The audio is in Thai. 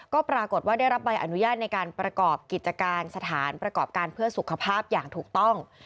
ก็ปรากฏว่าได้รับใบอนุญาตในการประกอบกิจการสถานประกอบการเพื่อสุขภาพอย่างถูกต้อง